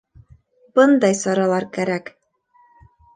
Бындай саралар кәрәк.